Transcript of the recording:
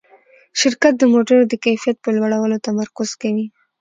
شرکت د موټرو د کیفیت په لوړولو تمرکز کوي.